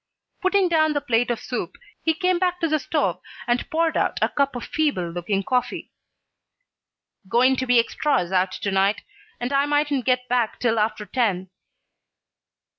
Putting down the plate of soup, he came back to the stove and poured out a cup of feeble looking coffee. "Goin' to be extras out to night and I mightn't get back till after ten."